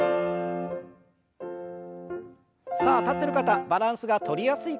さあ立ってる方バランスがとりやすい形。